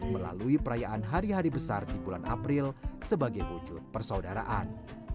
melalui perayaan hari hari besar di bulan april sebagai wujud persaudaraan